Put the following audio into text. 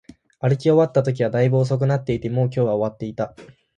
歩き終わったときは、大分遅くなっていて、もう今日は終わっていた